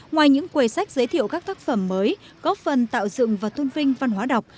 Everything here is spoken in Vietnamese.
ngoài những quầy sách giới thiệu các tác phẩm mới góp phần tạo dựng và tôn vinh văn hóa đọc